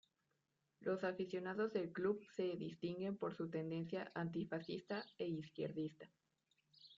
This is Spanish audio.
Los aficionados del club se distinguen por su tendencia antifascista e izquierdista.